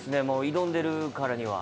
挑んでるからには。